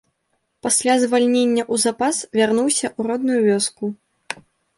Пасля звальнення ў запас вярнуўся ў родную вёску.